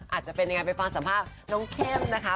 อาจจะเป็นยังไงไปฟังสัมภาษณ์น้องเข้มนะคะ